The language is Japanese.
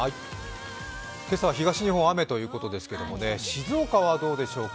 今朝は東日本、雨ということですけれども、静岡はどうでしょうか。